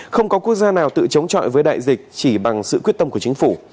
không có quốc gia nào tự chống trọi với đại dịch chỉ bằng sự quyết tâm của chính phủ